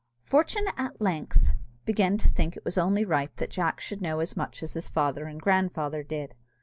Fortune at length began to think that it was only right that Jack should know as much as his father and grandfather did.